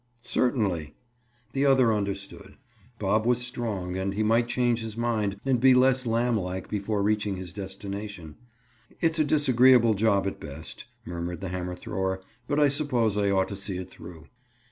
"Certainly." The other understood. Bob was strong and he might change his mind and be less lamblike before reaching his destination. "It's a disagreeable job at best," murmured the hammer thrower, "but I suppose I ought to see it through."